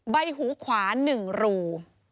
ใบหูขวา๑รู